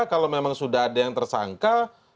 kalau memang sudah ada yang tersangka